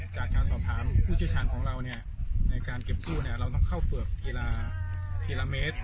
จากการสอบถามผู้เชี่ยวชาญของเราในการเก็บกู้เราต้องเข้าเฝือกกีฬาทีละเมตร